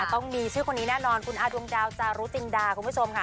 ต้องมีชื่อคนนี้แน่นอนคุณอาดวงดาวจารุจินดาคุณผู้ชมค่ะ